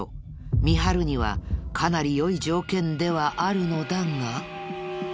見張るにはかなり良い条件ではあるのだが。